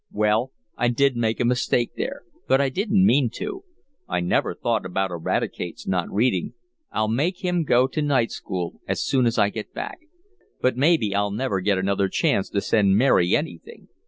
"Well, I did make a mistake there, but I didn't mean to. I never thought about Eradicate's not reading. I'll make him go to night school as soon as I get back. But maybe I'll never get another chance to send Mary anything.